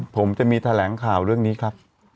ผมจะมีแถลงข่าวเรื่องนี้ครับ